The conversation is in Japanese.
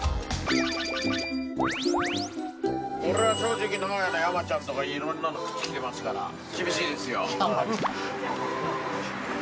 俺は正直名古屋の山ちゃんとかいろんなの食ってきてますから厳しいですよ。